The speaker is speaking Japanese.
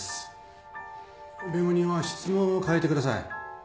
弁護人は質問を変えてください。